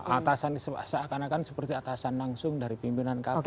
atasan seakan akan seperti atasan langsung dari pimpinan kpk